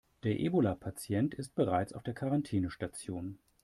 Der Ebola-Patient ist bereits auf der Quarantänestation.